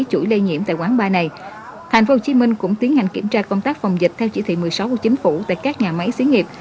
chuỗi lây nhiễm